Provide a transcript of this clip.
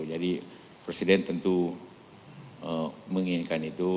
jadi presiden tentu menginginkan itu